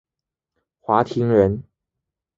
华亭人。